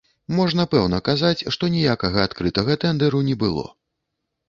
Можна пэўна казаць, што ніякага адкрытага тэндэру не было.